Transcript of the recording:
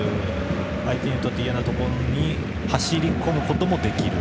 相手にとって嫌なところに走りこむこともできる。